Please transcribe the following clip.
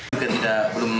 mungkin tidak belum